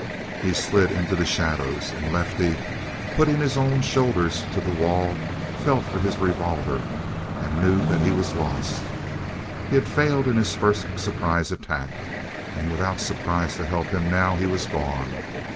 He slid into the shadows, and Lefty, putting his own shoulders to the wall, felt for his revolver and knew that he was lost. He had failed in his first surprise attack, and without surprise to help him now he was gone.